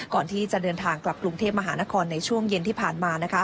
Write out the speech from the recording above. ก่อนที่จะเดินทางกลับกรุงเทพมหานครในช่วงเย็นที่ผ่านมานะคะ